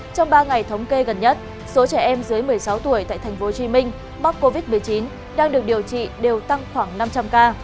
trong ba ngày thống kê gần nhất số trẻ em dưới một mươi sáu tuổi tại tp hcm mắc covid một mươi chín đang được điều trị đều tăng khoảng năm trăm linh ca